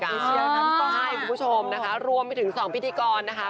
ครับคุณผู้ชมรวมไปถึงสองพิธีกรนะคะ